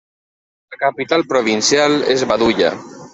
La capital provincial és Badulla.